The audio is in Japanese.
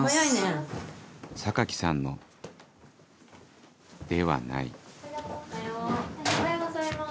酒木さんのではない・おはよう・・おはようございます・